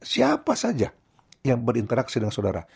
siapa saja yang berinteraksi dengan saudara